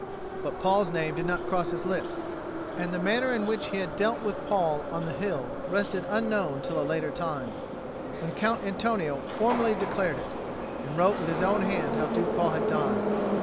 But Paul's name did not cross his lips; and the manner in which he had dealt with Paul on the hill rested unknown till a later time, when Count Antonio formally declared it, and wrote with his own hand how Duke Paul had died.